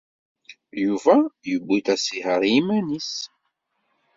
Yuba yewwi-d asihaṛ i yiman-nnes?